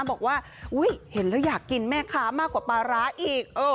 บอกว่าเห็นแล้วอยากกินแม่ค้ามากกว่าปลาร้าอีก